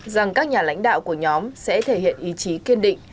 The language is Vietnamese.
rằng các nhà lãnh đạo của nhóm sẽ thể hiện ý chí kiên định